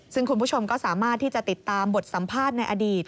ซึ่งคุณผู้ชมก็สามารถที่จะติดตามบทสัมภาษณ์ในอดีต